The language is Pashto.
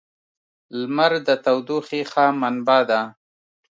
• لمر د تودوخې ښه منبع ده.